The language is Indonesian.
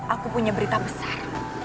aku punya berita besar